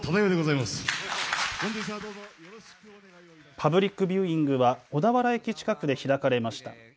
パブリック・ビューイングは小田原駅近くで開かれました。